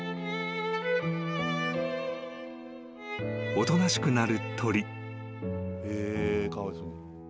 ［おとなしくなる鳥］